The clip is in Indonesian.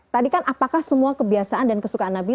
tadi kan apakah semua kebiasaan dan kesukaan nabi